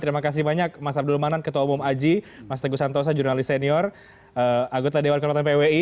terima kasih banyak mas abdul manan ketua umum aji mas teguh santosa jurnalis senior anggota dewan kehormatan pwi